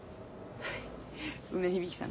梅響さん